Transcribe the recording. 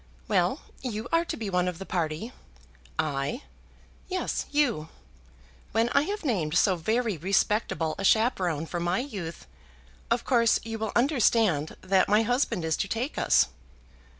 "Well; you are to be one of the party." "I!" "Yes; you. When I have named so very respectable a chaperon for my youth, of course you will understand that my husband is to take us."